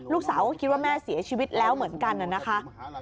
ลูกสาวก็คิดว่าแม่เสียชีวิตแล้วเหมือนกันนะคะ